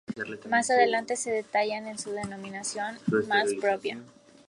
Más adelante se detallan en su denominación más propia.